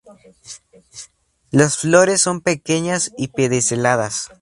Las flores son pequeñas y pediceladas.